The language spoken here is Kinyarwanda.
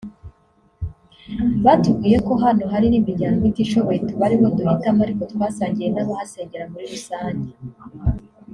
Batubwiye ko hano hari n’imiryango itishoboye tuba ari ho duhitamo ariko twasangiye n’abahasengera muri rusange